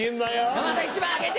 山田さん１枚あげて。